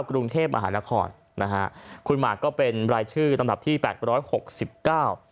กรุงเทพมหานครนะฮะคุณหมากก็เป็นรายชื่อลำดับที่แปดร้อยหกสิบเก้า